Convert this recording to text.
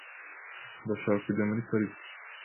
Ndashaka kujya muri pariki.